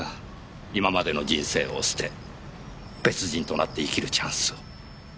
今までの人生を捨て別人となって生きるチャンスを。